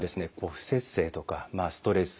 不摂生とかストレス